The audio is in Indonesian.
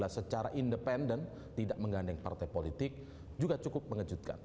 secara independen tidak menggandeng partai politik juga cukup mengejutkan